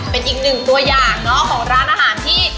เป็นอีกหนึ่งตัวอย่างเนอะของร้านอาหารที่